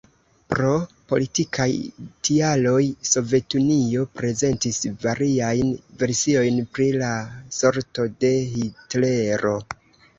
Pro politikaj tialoj, Sovetunio prezentis variajn versiojn pri la sorto de Hitlero.